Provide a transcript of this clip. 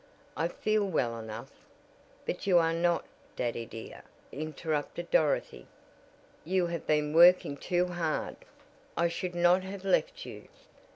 I feel well enough " "But you are not, daddy dear," interrupted Dorothy. "You have been working too hard, I should not have left you."